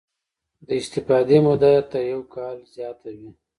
د استفادې موده یې تر یو کال زیاته وي.